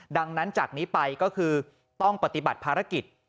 ดังนั้นจากนี้ไปก็คือต้องปฏิบัติภารกิจ